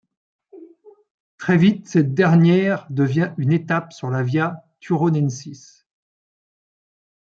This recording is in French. Très vite, cette dernière devient une étape sur la via Turonensis.